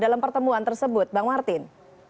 dalam pertemuan tersebut bang martin